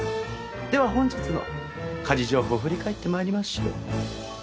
では本日の家事情報振り返って参りましょう。